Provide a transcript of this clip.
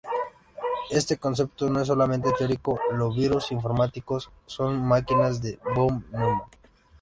Este concepto no es solamente teórico: los virus informáticos son máquinas de von Neumann.